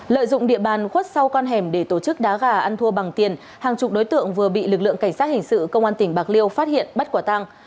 lợi dụng địa bàn khuất sau con hẻm để tổ chức đá gà ăn thua bằng tiền hàng chục đối tượng vừa bị lực lượng cảnh sát hình sự công an tỉnh bạc liêu phát hiện bắt quả tăng